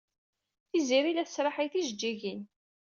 Tiziri la tesraḥay tijejjigin.